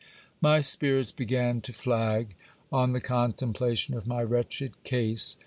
My spirits began to flag, on the contemplation of my wretched case.